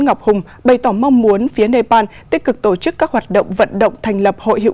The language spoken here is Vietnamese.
ngọc hùng bày tỏ mong muốn phía nepal tích cực tổ chức các hoạt động vận động thành lập hội hiệu